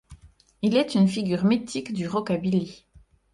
Il est une figure mythique du rockabilly.